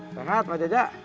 selamat pak jajak